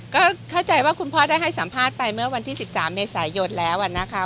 ก็เข้าใจว่าคุณพ่อได้ให้สัมภาษณ์ไปเมื่อวันที่๑๓เมษายนแล้วนะคะ